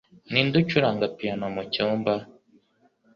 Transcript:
Ninde ucuranga piyano mucyumba?